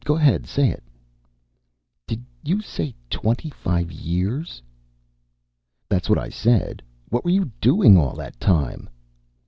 Go ahead and say it." "Did you say twenty five years?" "That's what I said. What were you doing all that time?"